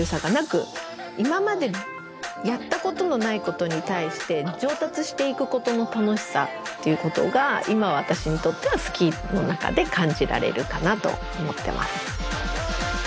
今までやったことのないことに対して上達していくことの楽しさっていうことが今私にとってはスキーの中で感じられるかなと思ってます。